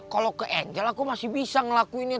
kalau ke angel aku masih bisa ngelakuinnya